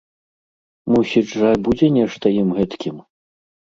Мусіць жа, будзе нешта ім, гэткім?